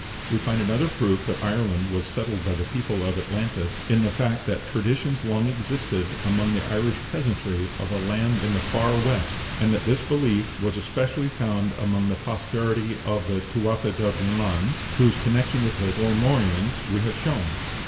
We find another proof that Ireland was settled by the people of Atlantis in the fact that traditions long existed among the Irish peasantry of a land in the "Far West," and that this belief was especially found among the posterity of the Tuatha de Dananns, whose connection with the Formorians we have shown.